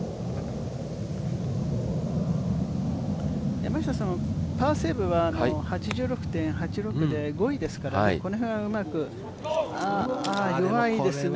山下さんはパーセーブは８６．８６で５位ですからこの辺はうまくああ、弱いですね。